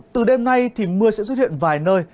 từ đêm nay thì mưa sẽ xuất hiện vài nơi